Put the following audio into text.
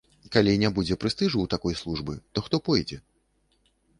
Калі не будзе прэстыжу ў такой службы, то хто пойдзе?